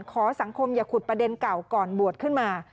ขอสังคมอย่าขุดประเด็นเก่าก่อนบวชขึ้นมา